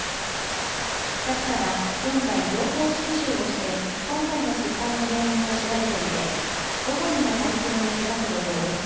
ＪＡＸＡは、現在情報収集をして、今回の失敗の原因を調べていて午後にも会見を開く予定です。